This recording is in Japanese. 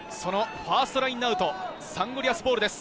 ファーストラインアウト、サンゴリアスボールです。